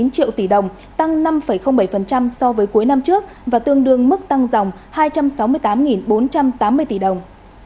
sáu mươi năm năm trăm sáu mươi chín triệu tỷ đồng tăng năm bảy so với cuối năm trước và tương đương mức tăng dòng hai trăm sáu mươi tám bốn trăm tám mươi tỷ đồng